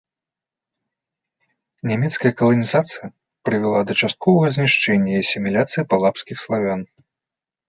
Нямецкая каланізацыя прывяла да частковага знішчэння і асіміляцыі палабскіх славян.